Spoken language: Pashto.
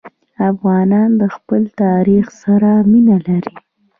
افغانان د خپل تاریخ سره مینه لري.